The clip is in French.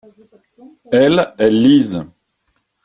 Elles, elles lisent.